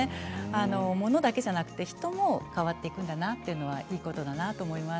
ものだけじゃなくて人も変わっていくんだなというのはいいことだと思います。